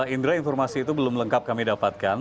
indra informasi itu belum lengkap kami dapatkan